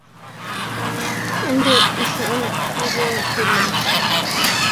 Ынде ӱшаныза тудлан!